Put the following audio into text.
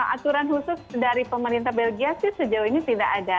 aturan khusus dari pemerintah belgia sih sejauh ini tidak ada